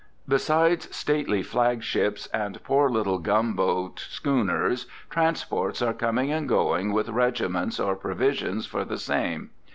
Besides stately flag ships and poor little bumboat schooners, transports are coming and going with regiments or provisions for the same.